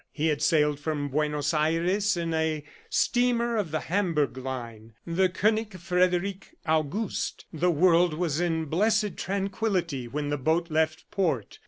He had sailed from Buenos Aires in a steamer of the Hamburg line, the Koenig Frederic August. The world was in blessed tranquillity when the boat left port.